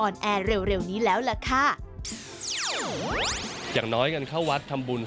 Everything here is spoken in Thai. ไม่ได้ผูกครับ